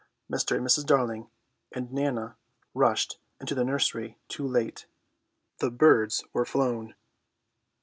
Mr. and Mrs. Darling and Nana rushed into the nursery too late. The birds were flown.